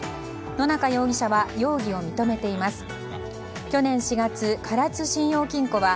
ノナカ容疑者は容疑を認めています。